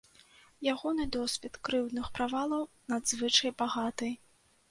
Ягоны досвед крыўдных правалаў надзвычай багаты.